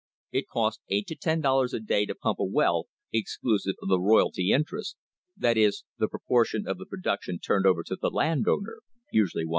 It cost eight to ten dollars a day to pump a well, exclu ive of the royalty interest — that is, the proportion of the pro kduction turned over to the land owner, usually one fourth.